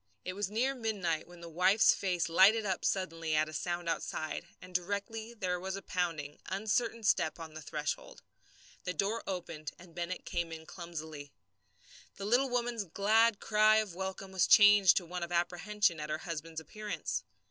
It was near midnight when the wife's face lighted up suddenly at a sound outside, and directly there was a pounding, uncertain step on the threshold. The door opened and Bennett came in clumsily. The woman's little glad cry of welcome was changed to one of apprehension at her husband's appearance.